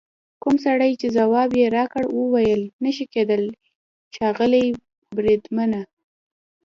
کوم سړي چې ځواب یې راکړ وویل: نه شي کېدای ښاغلي بریدمنه.